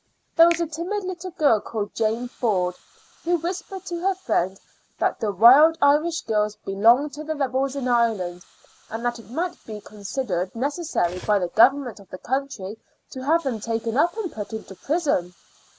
There was a timid little girl called Janey Ford, who whispered to her friend that the Wild Irish Girls belonged to the rebels in Ireland, and that it might be considered necessary by the government of the country to have them taken up and put into prison.